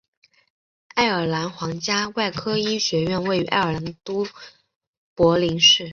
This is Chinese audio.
爱尔兰皇家外科医学院位于爱尔兰的都柏林市。